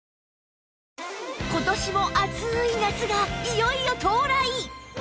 今年も暑い夏がいよいよ到来！